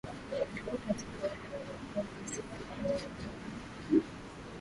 kuwa katika wale walokuwa wanasema wako tayari kwenda hague